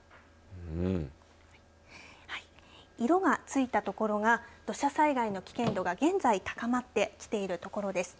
色がついた所が土砂災害の危険度が現在高まってきている所です。